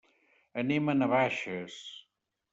Anem a Navaixes.